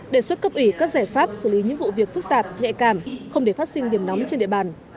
đề xuất cấp ủy các giải pháp xử lý những vụ việc phức tạp nhạy cảm không để phát sinh điểm nóng trên địa bàn